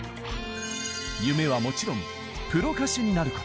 夢はもちろんプロ歌手になる事。